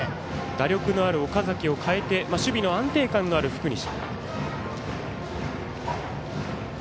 打力のある岡崎を代えて守備の安定感のある福西。